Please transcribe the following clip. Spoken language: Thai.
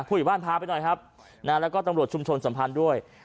อยู่บ้านพาไปหน่อยครับนะแล้วก็ตำรวจชุมชนสัมพันธ์ด้วย